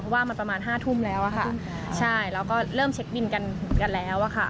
ว่ามันประมาณห้าทุ่มแล้วอะค่ะใช่เราก็เริ่มเช็คบินกันแล้วอะค่ะ